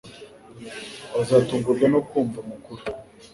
Bazatungurwa no kumva amakuru